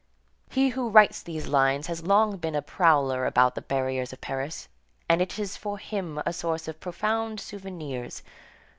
He who writes these lines has long been a prowler about the barriers of Paris, and it is for him a source of profound souvenirs.